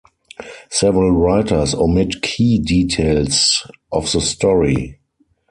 Several writers omit key details of the story.